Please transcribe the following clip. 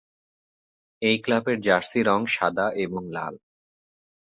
এই ক্লাবের জার্সি রং সাদা এবং লাল।